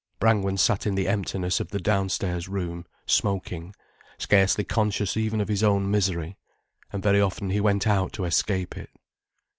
Brangwen sat in the emptiness of the downstairs room, smoking, scarcely conscious even of his own misery. And very often he went out to escape it.